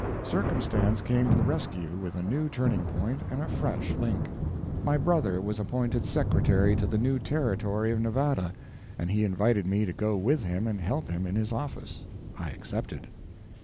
Circumstance came to the rescue with a new turning point and a fresh link. My brother was appointed secretary to the new Territory of Nevada, and he invited me to go with him and help him in his office. I accepted.